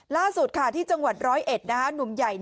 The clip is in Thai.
ล่าสุดนะคะที่จังหวัด๑๐๑หนุมใหญ่